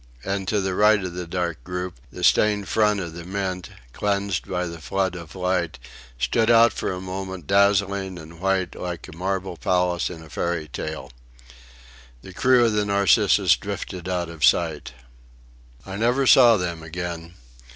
And to the right of the dark group the stained front of the Mint, cleansed by the flood of light, stood out for a moment dazzling and white like a marble palace in a fairy tale. The crew of the Narcissus drifted out of sight. I never saw them again.